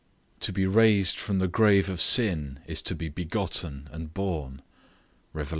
To be raised from the grave of sin is to be begotten and born; Rev. i.